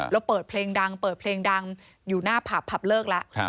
แล้วเปิดเพลงดังอยู่หน้าผับผับเลิกแล้ว